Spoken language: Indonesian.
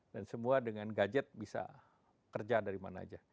dan semua dengan gadget bisa kerja dari mana saja